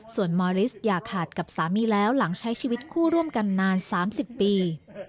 ส่วนมอริสอย่าขาดกับสามีแล้วหลังใช้ชีวิตคู่ร่วมกันนาน๓๐ปี